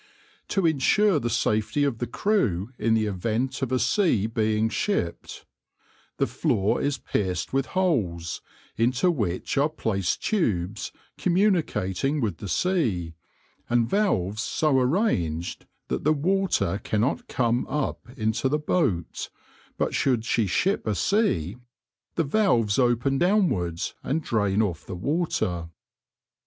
To insure the safety of the crew in the event of a sea being shipped, the floor is pierced with holes, into which are placed tubes communicating with the sea, and valves so arranged that the water cannot come up into the boat, but should she ship a sea the valves open downwards and drain off the water.